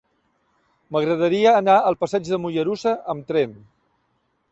M'agradaria anar al passeig de Mollerussa amb tren.